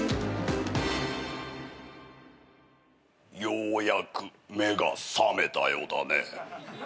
ようやく目が覚めたようだね。